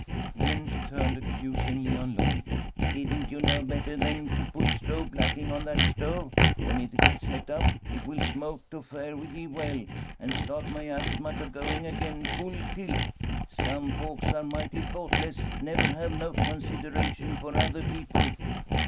Then she turned accusingly on Lloyd. "Didn't you know better than to put stove blacking on that stove? When it gets het up, it will smoke to fare ye well, and start my asthma to going again full tilt. Some folks are mighty thoughtless, never have no consideration for other people."